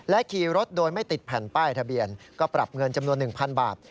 ขี่รถโดยไม่ติดแผ่นป้ายทะเบียนก็ปรับเงินจำนวน๑๐๐บาท